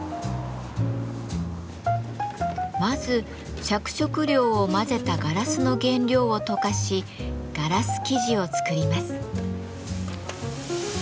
まず着色料を混ぜたガラスの原料を溶かしガラス素地を作ります。